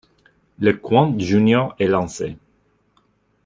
Le Qwant Junior est lancé.